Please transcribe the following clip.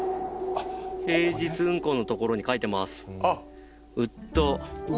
平日運行のところに書いてます。